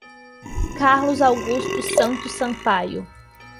Carlos Augusto Santos Sampaio